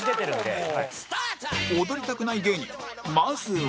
踊りたくない芸人まずは